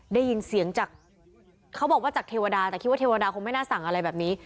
ได้ยินเสียงจากเขาบอกว่าจากเทวดาแต่คิดว่าเทวดาคงไม่น่าสั่งอะไรแบบนี้